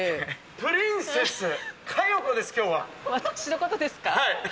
プリンセス佳代子です、私のことですか？